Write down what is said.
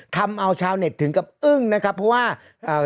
ทำเอาชาวเน็ตถึงกับอึ้งนะครับเพราะว่าเอ่อ